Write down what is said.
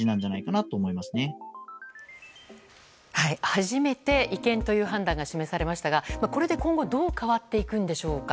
初めて違憲という判断が示されましたがこれで今後どう変わっていくんでしょうか。